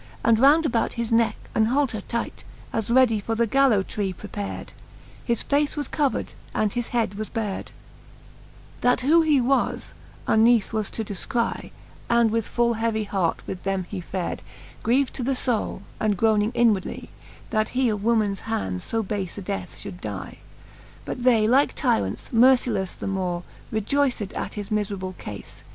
And round about his necke an halter tight, As ready for the gallow tree prepard : His face was covered, and his head was bar'd, That who he was, uneath was to defcry ; And with full heavy heart with them he far*d, Griev'd to the fbule, and groning inwardly, That he of womens hands fo bafe a death fhould dy. XXIII. But they like tyrants, mercilefTe the more, Rejoyced at his miferable cafe.